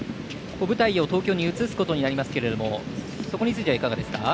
舞台を東京に移すことになりますけれどもそこについては、いかがですか？